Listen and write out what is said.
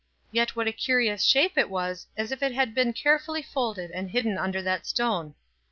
"Yet what a curious shape it was as if it had been carefully folded and hidden under that stone.